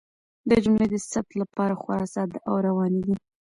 دا جملې د ثبت لپاره خورا ساده او روانې دي.